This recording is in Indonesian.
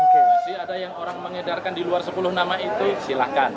masih ada yang orang mengedarkan di luar sepuluh nama itu silahkan